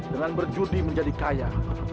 dengan berjudi menjadi kaya